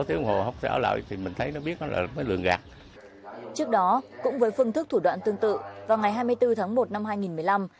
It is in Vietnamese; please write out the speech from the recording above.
trước đó cũng với phương thức thủ đoạn tương tự vào ngày hai mươi bốn tháng một năm hai nghìn một mươi năm